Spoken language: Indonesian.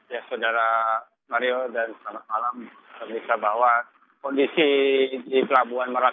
ya saudara mario dan selamat malam